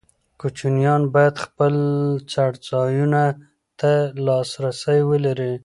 کوچیان باید خپل څړځایونو ته لاسرسی ولري.